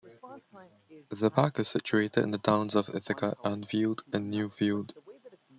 The park is situated in the towns of Ithaca, Enfield and Newfield.